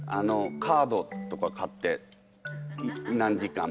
カードとか買って何時間。